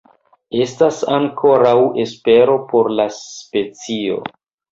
Estas ankoraŭ espero por la specio.